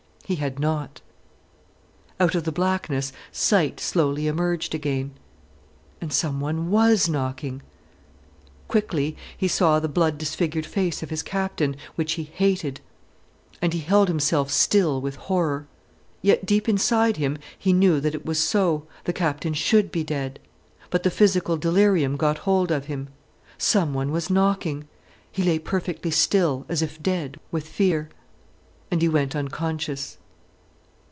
He had not. Out of the blackness sight slowly emerged again. And someone was knocking. Quickly, he saw the blood disgfigured face of his Captain, which he hated. And he held himself still with horror. Yet, deep inside him, he knew that it was so, the Captain should be dead. But the physical delirium got hold of him. Someone was knocking. He lay perfectly still, as if dead, with fear. And he went unconscious.